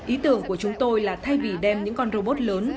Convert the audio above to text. ý tưởng của chúng tôi là thay vì đem những con robot lớn